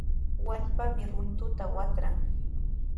Wallpami runtuta watran.